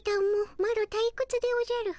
マロたいくつでおじゃる。